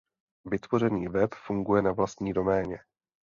Vytvořený web funguje na vlastní doméně.